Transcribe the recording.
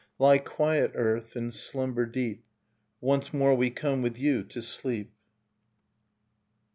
— Lie quiet, earth, and slumber deep. Once more we come with you to sleep.